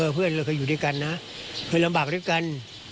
เพื่อนเราเคยอยู่ด้วยกันนะเคยลำบากด้วยกัน